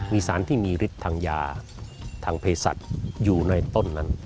มีสารที่มีฤทธิ์ทางยาทางเพศัตริย์อยู่ในต้นนั้น